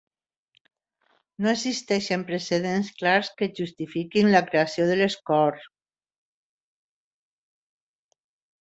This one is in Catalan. No existeixen precedents clars que justifiquin la creació de les Corts.